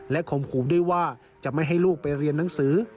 ข่มขู่ด้วยว่าจะไม่ให้ลูกไปเรียนหนังสือ